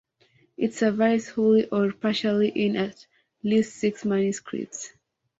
It survives wholly or partially in at least six manuscripts.